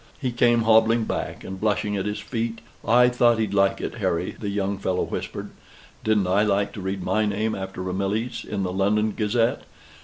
He came hobbling back, and blushing at his feat: "I thought he'd like it, Harry," the young fellow whispered. "Didn't I like to read my name after Ramillies, in the London Gazette?